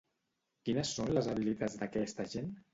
Quines són les habilitats d'aquesta gent?